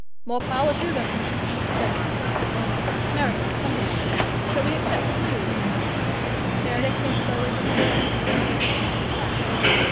"More power to them!" said Montresor. "Meredith, come here. Shall we accept the pleas?" Meredith came slowly from the window, his hands behind his back.